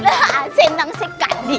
gulaan senang sekali